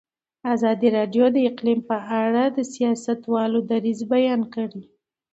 ازادي راډیو د اقلیم په اړه د سیاستوالو دریځ بیان کړی.